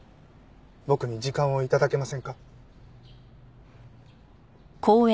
僕に時間を頂けませんか？